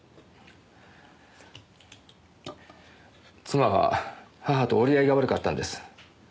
妻は母と折り合いが悪かったんです。